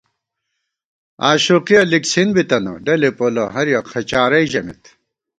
آشوقِیَہ لِکڅِھن بِتنہ، ڈلے پولہ ہریَک خہ چارَئی ژمېت